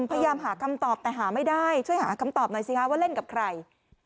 พยายามหาคำตอบแต่หาไม่ได้ช่วยหาคำตอบหน่อยสิคะว่าเล่นกับใคร